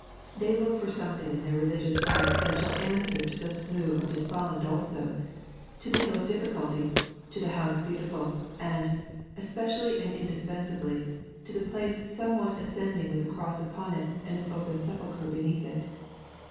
They look for something in their religious life that shall answer to the Slough of Despond also, to the Hill Difficulty, to the House Beautiful, and, especially and indispensably, to the place somewhat ascending with a cross upon it and an open sepulchre beneath it.